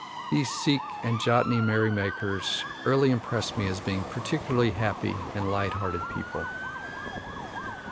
These Sikh and Jatni merry makers early impress me as being particularly happy and light hearted people.